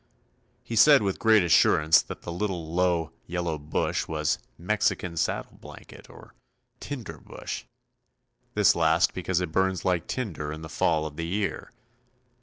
He said with great assurance that the little, low, yellow bush was "Mexican saddle blanket" or "Tinder bush," this last because it burns like tinder in the fall of the year.